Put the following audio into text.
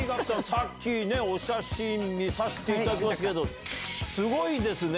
さっきお写真見させていただきましたけどすごいですね！